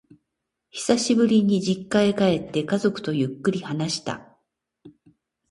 久しぶりに実家へ帰って、家族とゆっくり話した。